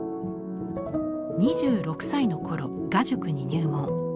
２６歳の頃画塾に入門。